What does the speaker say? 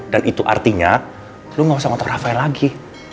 dan itu artinya lo nggak usah ngotak rafael lagi